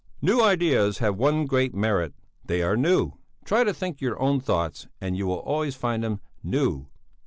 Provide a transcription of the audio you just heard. "New ideas have one great merit they are new! Try to think your own thoughts and you will always find them new!